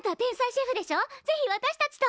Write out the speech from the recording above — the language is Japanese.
ぜひ私たちと。